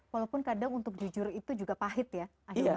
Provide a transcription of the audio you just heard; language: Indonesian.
walaupun kadang untuk jujur itu juga pahit ya akhirnya